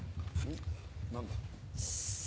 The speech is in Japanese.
何だ？